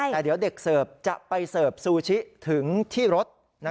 แต่เดี๋ยวเด็กเสิร์ฟจะไปเสิร์ฟซูชิถึงที่รถ